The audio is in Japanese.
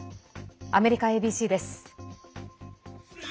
アメリカＡＢＣです。